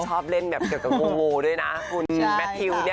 ชอบเล่นแบบเกี่ยวกับโงด้วยนะคุณแมททิวเนี่ย